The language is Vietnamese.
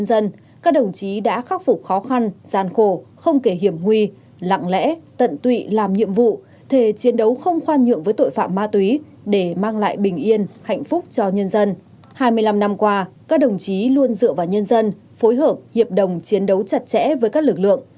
các đồng chí luôn dựa vào nhân dân phối hợp hiệp đồng chiến đấu chặt chẽ với các lực lượng